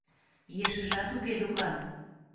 — Ешыжат уке докан.